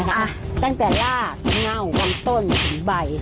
นะครับตั้งแต่ลากเง่าวางต้นใบ